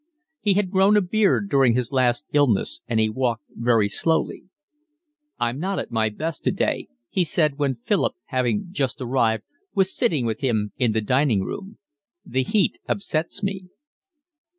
He had grown a beard during his last illness, and he walked very slowly. "I'm not at my best today," he said when Philip, having just arrived, was sitting with him in the dining room. "The heat upsets me."